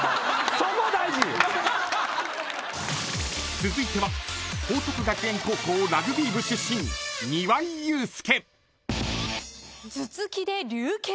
［続いては報徳学園高校ラグビー部出身庭井祐輔］